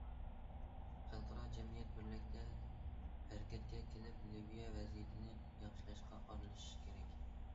خەلقئارا جەمئىيەت بىرلىكتە ھەرىكەتكە كېلىپ، لىۋىيە ۋەزىيىتىنى ياخشىلاشقا ئارىلىشىشى كېرەك.